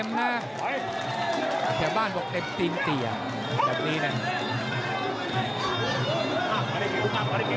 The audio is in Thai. เบนบ้านขยับเสียน่ะแบบนี้แน่ง